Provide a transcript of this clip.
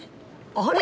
あれ？